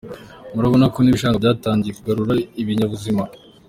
Murabona ko n’ibishanga byatangiye kugarura ibinyabuzima.